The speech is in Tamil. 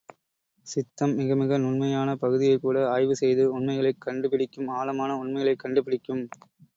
சித்தம் மிக மிக நுண்மையான பகுதியைக்கூட ஆய்வு செய்து, உண்மைகளைக் கண்டு பிடிக்கும் ஆழமான உண்மைகளைக் கண்டு பிடிக்கும்.